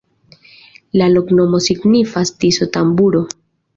La loknomo signifas: Tiso-tamburo.